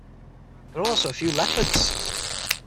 There are also a few leopards.